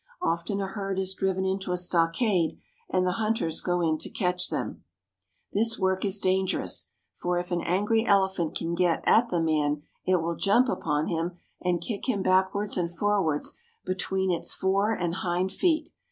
Often a herd is driven into a stockade, and the hunters go in to catch them. 242 THE WILD ANIMALS OF INDIA This work is dangerous ; for if an angry elephant can get at the man, it will jump upon him, and kick him backwards and forwards between its fore and hind feet.